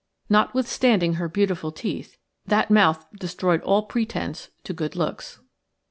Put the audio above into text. Notwithstanding her beautiful teeth, that mouth destroyed all pretence to good looks.